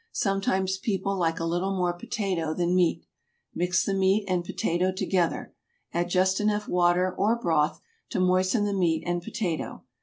Sometimes people like a little more potato than meat. Mix the meat and potato together; add just enough water or broth to moisten the meat and potato.